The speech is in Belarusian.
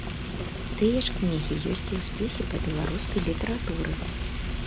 Тыя ж кнігі ёсць і ў спісе па беларускай літаратуры.